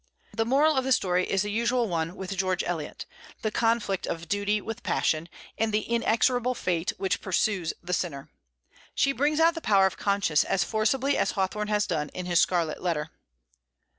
The moral of the story is the usual one with George Eliot, the conflict of duty with passion, and the inexorable fate which pursues the sinner. She brings out the power of conscience as forcibly as Hawthorne has done in his "Scarlet Letter."